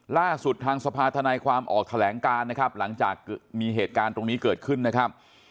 ล่าสุดทางสภาธนายความออกแถลงการนะครับหลังจากมีเหตุการณ์ตรงนี้เกิดขึ้นนะครับ